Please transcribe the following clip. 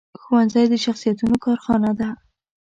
ښوونځی د شخصیتونو کارخانه ده